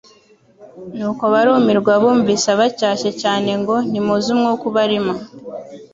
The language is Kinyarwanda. nuko barumirwa bumvise abacyashye cyane ngo: Ntimuzi umwuka ubarimo,